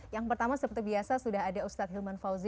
yang pertama seperti biasa sudah ada ustadz hilman fauzi